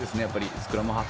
スクラムハーフ。